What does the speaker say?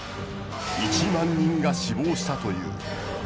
一万人が死亡したという。